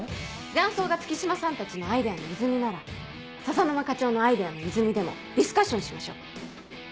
雀荘が月島さんたちのアイデアの泉なら笹沼課長のアイデアの泉でもディスカッションしましょう。